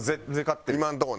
今のとこね。